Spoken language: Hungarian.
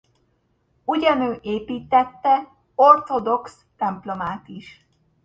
Ugyanő építtette ortodox templomát is.